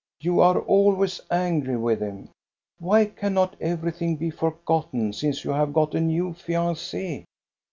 You are always angry with him. Why cannot everything be forgotten, since you have got a new fianc6 ?